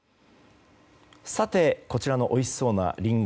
こちらのおいしそうなリンゴ。